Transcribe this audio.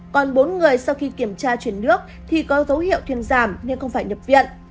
còn bốn người sau khi kiểm tra chuyển nước thì có dấu hiệu thuyền giảm nên không phải nhập viện